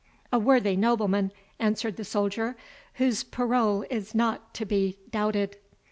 "A worthy nobleman," answered the soldier, "whose parole is not to be doubted."